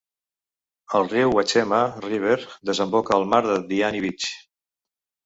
El riu Mwachema River desemboca al mar a Diani Beach.